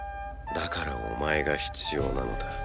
だからお前が必要なのだ。